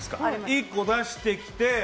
１個出してきて。